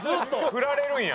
振られるんだ。